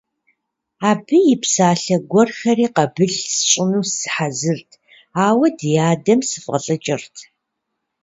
Абы и псалъэ гуэрхэри къабыл сщӀыну сыхьэзырт, ауэ ди адэм сыфӏэлӏыкӏырт.